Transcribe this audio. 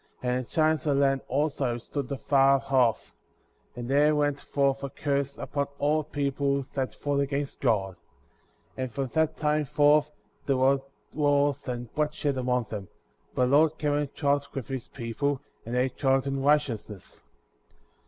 And the giants of the land, also, stood afar off; and there went forth a curse upon all people that fought against God; 16. And from that time forth there were war^i and bloodshed among them; but the Lord cam« and dwelt with his people,"' and they dwelt m righteousness.